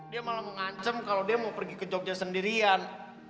dia malah mengancam kalau dia mau pergi ke jogja sendirian